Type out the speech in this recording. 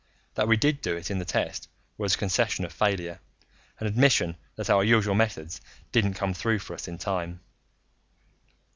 That we did do it in the test was a concession of failure an admission that our usual methods didn't come through for us in time.